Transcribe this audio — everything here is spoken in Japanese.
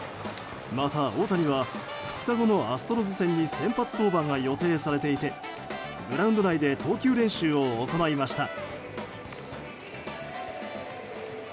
また、大谷は２日後のアストロズ戦に先発登板が予定されていてグラウンド内で投球練習を行いました。